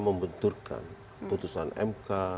membenturkan putusan mk